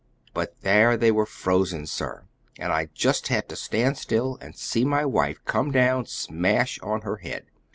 But there they were frozen, sir, and I just had to stand still and see my wife come down smash on her head.